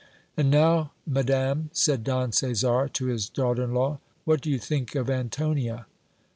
And now, madam ! said Don Caesar to his daughter in law, what do you think of Antonia